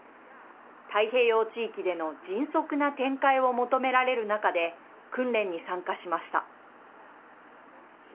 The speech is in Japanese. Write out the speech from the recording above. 太平洋地域での迅速な展開を求められる中で訓練に参加しました。